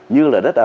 như là đất ở